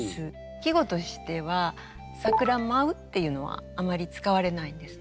季語としては「桜まう」っていうのはあまり使われないんですね。